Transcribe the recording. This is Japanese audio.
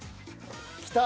きた。